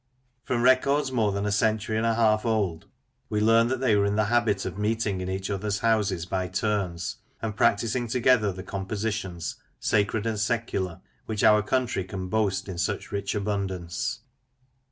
From records more than a century and a half old, we learn that they were in the habit of meeting in each other's houses by turns, and practising together the compositions, sacred and secular, which our country can boast in such rich abundance.